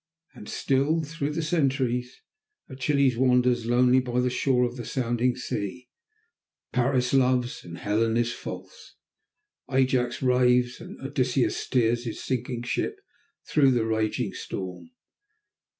And still, through the centuries, Achilles wanders lonely by the shore of the sounding sea; Paris loves, and Helen is false; Ajax raves, and Odysseus steers his sinking ship through the raging storm.